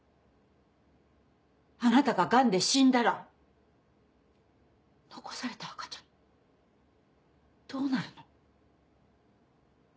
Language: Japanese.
あなたがガンで死んだら残された赤ちゃんどうなるの？